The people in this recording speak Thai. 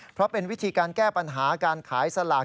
เพราะเป็นวิธีการแก้ปัญหาการขายสลาก